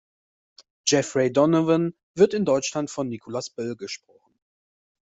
Jeffrey Donovan wird in Deutschland von Nicolas Böll gesprochen.